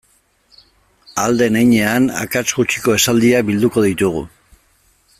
Ahal den heinean akats gutxiko esaldiak bilduko ditugu.